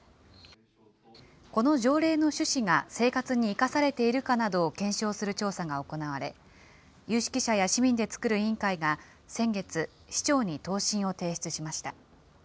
この条例の趣旨が生活に生かされているかなどを検証する調査が行われ、有識者や市民で作る委員会が先月、市長に答申を提出しました。